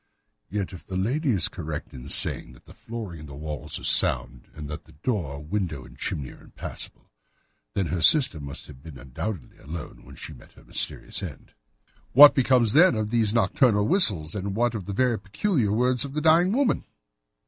"Yet if the lady is correct in saying that the flooring and walls are sound, and that the door, window, and chimney are impassable, then her sister must have been undoubtedly alone when she met her mysterious end." "What becomes, then, of these nocturnal whistles, and what of the very peculiar words of the dying woman?"